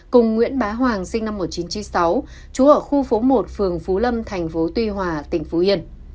cùng nguyễn bá hoàng sinh năm một nghìn chín trăm chín mươi sáu trú ở khu phố một phường phú lâm thành phố tuy hòa tỉnh phú yên